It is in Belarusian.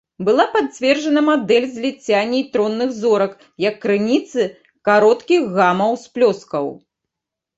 Была пацверджана мадэль зліцця нейтронных зорак як крыніцы кароткіх гама-ўсплёскаў.